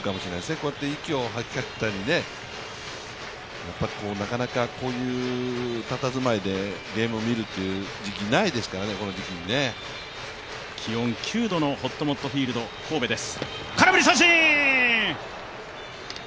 こうやって息を吐きかけたり、なかなかこういうたたずまいでゲームを見るという時期ないですからね、この時期にね気温９度のほっともっとフィールド神戸です。